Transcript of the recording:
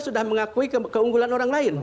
sudah mengakui keunggulan orang lain